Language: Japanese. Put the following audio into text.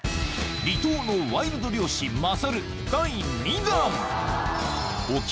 離島のワイルド漁師マサル第２弾！